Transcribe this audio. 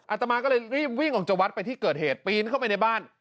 อาตมาก็เลยรีบวิ่งออกจากวัดไปที่เกิดเหตุปีนเข้าไปในบ้าน